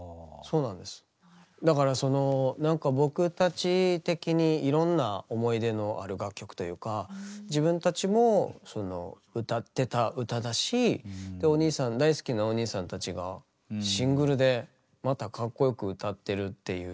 だからそのなんか僕たち的にいろんな思い出のある楽曲というか自分たちも歌ってた歌だしで大好きなお兄さんたちがシングルでまたかっこよく歌ってるっていう